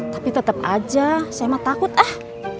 tapi tetep aja saya mah takut eh